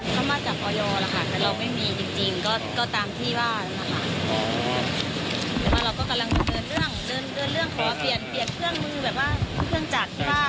ถ้ามาจากอยเราไม่มีจริงก็ตามที่ว่า